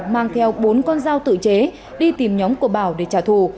mang theo bốn con dao tự chế đi tìm nhóm của bảo để trả thù